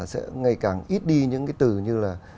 sẽ ngày càng ít đi những cái từ như là